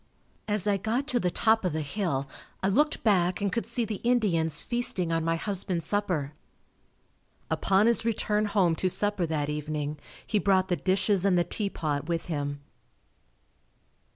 As I got to the top of the hill I looked back and could see the Indians feasting on my husband's supper. Upon his return home to supper that evening, he brought the dishes and the teapot with him.